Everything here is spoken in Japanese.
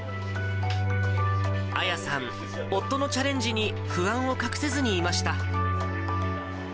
亜矢さん、夫のチャレンジに不安を隠せずにいました。